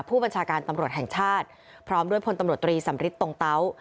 ผู้บัญชาการตำรวจแห่งชาติพร้อมด้วยพลตำรวจตรีสำริทตรงเตา